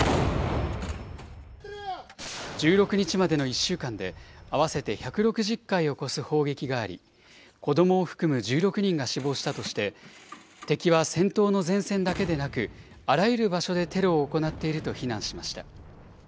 １６日までの１週間で、合わせて１６０回を超す砲撃があり、子どもを含む１６人が死亡したとして、敵は戦闘の前線だけでなく、あらゆる場所でテロを行っていると非難しました。